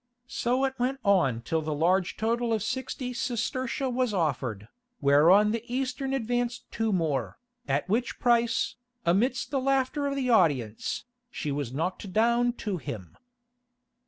So it went on till the large total of sixty sestertia was offered, whereon the Eastern advanced two more, at which price, amidst the laughter of the audience, she was knocked down to him.